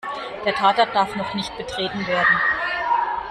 Der Tatort darf noch nicht betreten werden.